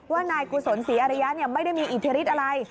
ว่านายกุศลศรีอริยะไม่ได้มีอิทธิฤทธิอะไร